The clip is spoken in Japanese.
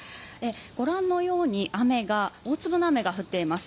ご覧のように大粒の雨が降っています。